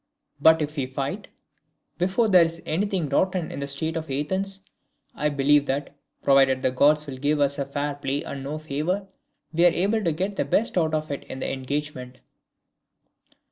But if we fight, before there is anything rotten in the state of Athens, I believe that, provided the Gods will give fair play and no favour, we are able to get the best of it in the engagement."